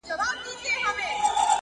دارو د پوهي وخورﺉ کنې عقل به مو وخوري.